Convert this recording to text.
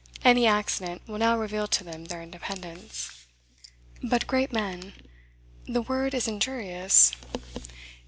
Any accident will now reveal to them their independence. But great men: the word is injurious.